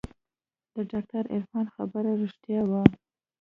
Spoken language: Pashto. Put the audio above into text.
د ډاکتر عرفان خبره رښتيا وه.